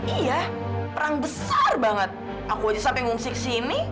iya perang besar banget aku aja sampai ngungsik sini